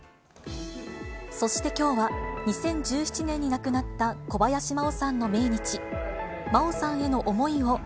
そしてきょうは、２０１７年に亡くなった小林麻央さんの命日。